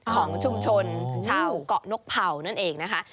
ของชุมชนชาวเกาะนกเผ่านั่นเองนะคะ